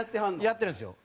やってるんですよ。